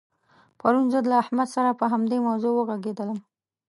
پرون زه له احمد سره په همدې موضوع وغږېدلم.